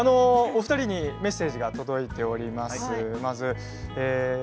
お二人にメッセージが届いています。